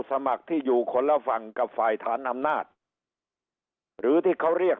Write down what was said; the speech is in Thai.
สมัครที่อยู่คนละฝั่งกับฝ่ายฐานอำนาจหรือที่เขาเรียก